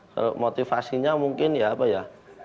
kalau motivasinya mungkin ya apa ya